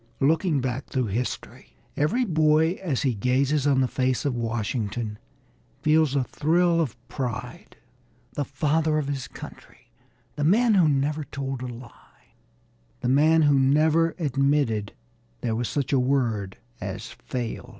Looking back through history every boy as he gazes on the face of Washington feels a thrill of pride; the Father of His Country, the man who never told a lie, the man who never admitted there was such a word as "fail."